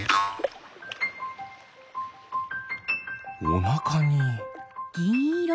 おなかに。